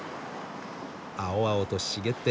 青々と茂って。